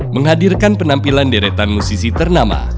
menghadirkan penampilan deretan musisi ternama